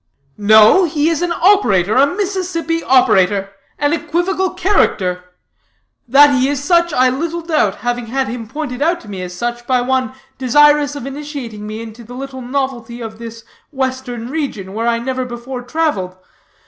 "No, he is an operator, a Mississippi operator; an equivocal character. That he is such, I little doubt, having had him pointed out to me as such by one desirous of initiating me into any little novelty of this western region, where I never before traveled.